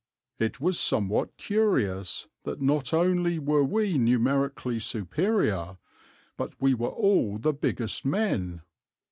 It was somewhat curious that not only were we numerically superior, but we were all the biggest men.